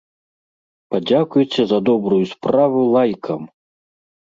Падзякуйце за добрую справу лайкам!